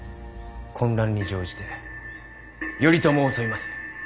混乱に乗じて頼朝を襲います。